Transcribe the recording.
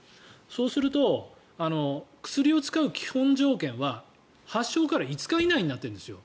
そうすると、薬を使う基本条件は発症から５日以内になっているんですよ。